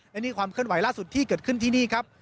และนี่ความเคลื่อนไหวล่าสุดที่เกิดขึ้นที่นี่ครับ